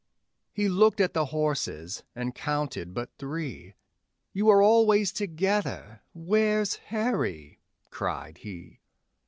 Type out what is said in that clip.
He looked at the horses, and counted but three: 'You were always together where's Harry?' cried he.